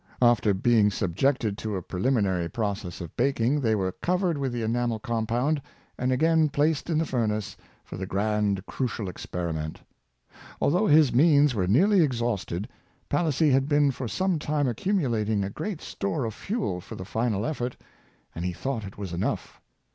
After being subjected to a prelimi nary process of baking, they were covered with the en amel compound, and again placed in the furnace for the grand crucial experiment. Although his means were nearly exhausted, Palissy had been for some time accumulating a great store of fuel for the final effort, and he thought it was enough.